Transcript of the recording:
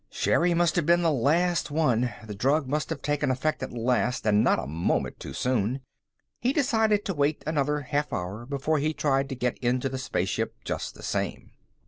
Sherri must have been the last one the drug must have taken effect at last, and not a moment too soon. He decided to wait another half hour before he tried to get into the spaceship, just the same.